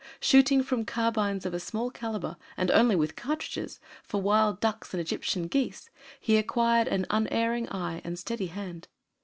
Shooting from carbines of a small caliber, and only with cartridges, for wild ducks and Egyptian geese, he acquired an unerring eye and steady hand.